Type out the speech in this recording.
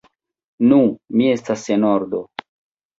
Nu, mi estas en ordo!